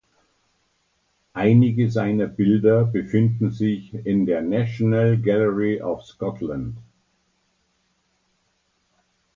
Einige seiner Bilder befinden sich in der National Gallery of Scotland.